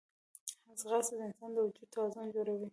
ځغاسته د انسان د وجود توازن جوړوي